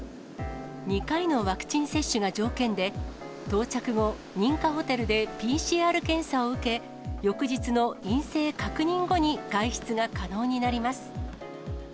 ２回のワクチン接種が条件で、到着後、認可ホテルでＰＣＲ検査を受け、翌日の陰性確認後に外出が可能になります。